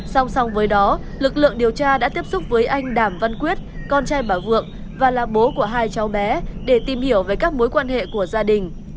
song song với đó lực lượng điều tra đã tiếp xúc với anh đàm văn quyết con trai bà vượng và là bố của hai cháu bé để tìm hiểu về các mối quan hệ của gia đình